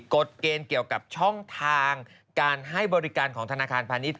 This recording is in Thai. กฎเกณฑ์เกี่ยวกับช่องทางการให้บริการของธนาคารพาณิชย